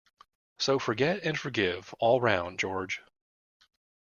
So forget and forgive all round, George.